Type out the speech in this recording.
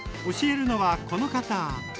教えるのはこの方。